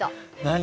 何？